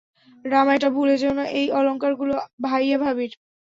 রামা, এটা ভুলে যেও না এই অলংকার গুলো ভাইয়া ভাবির।